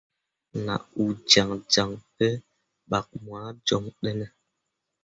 Nah uu jaŋjaŋ ɓe kpak moah joŋ ɗene.